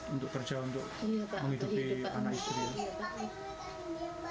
untuk kerja untuk menghidupi anak istri